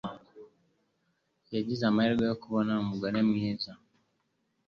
Yagize amahirwe yo kubona umugore mwiza